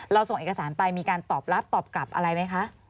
ส่งเอกสารไปมีการตอบรับตอบกลับอะไรไหมคะ